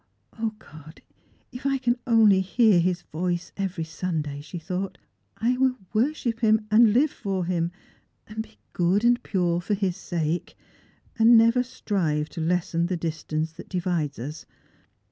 " O God, if 1 can only hear his voice every Sunday," she thought, " I will worship him, and live for him, and be good and pure for his sake, and never strive to lessen the dis tance that divides us.